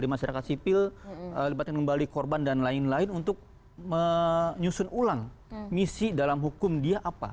masyarakat sipil libatkan kembali korban dan lain lain untuk menyusun ulang misi dalam hukum dia apa